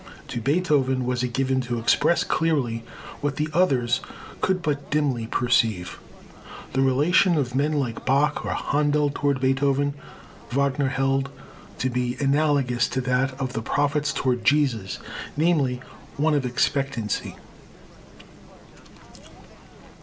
To Beethoven was it given to express clearly what the others could but dimly perceive. The relation of men like Bach or Händel toward Beethoven, Wagner held to be analogous to that of the prophets toward Jesus, namely, one of expectancy.